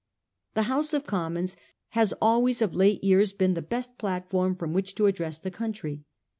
The House of Commons has always of late years been the best platform from which to address the country.